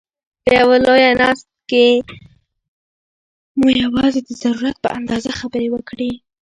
په یوه لویه ناست کښي مو یوازي د ضرورت په اندازه خبري وکړئ!